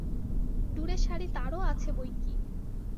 ডুরে শাড়ি তারও আছে বৈকি।